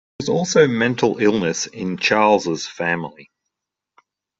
There was also mental illness in Charles's family.